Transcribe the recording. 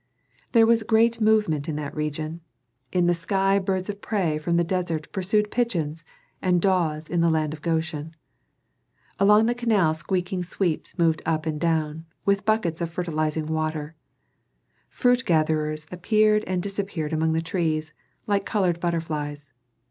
There was great movement in that region. In the sky birds of prey from the desert pursued pigeons and daws in the land of Goshen. Along the canal squeaking sweeps moved up and down, with buckets of fertilizing water; fruit gatherers appeared and disappeared among the trees, like colored butterflies.